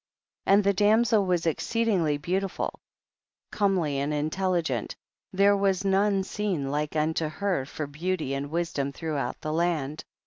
8. And the damsel was exceeding ly beautiful, comely and intelligent, there was none seen like unto her for beauty and wisdom throughout the land.